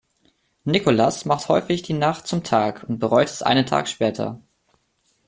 Nikolas macht häufig die Nacht zum Tag und bereut es einen Tag später.